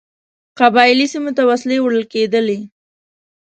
قبایلي سیمو ته وسلې وړلې کېدلې.